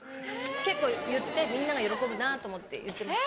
結構言ってみんなが喜ぶなと思って言ってます。